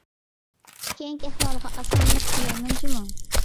كېيىنكى ئەھۋالىغا ئاسانلىق تىلەيمەن جۇمۇ!